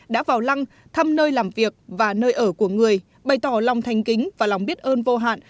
đã vào lăng thăm nơi làm việc và nơi ở của người bày tỏ lòng thanh kính và lòng biết ơn vô hạn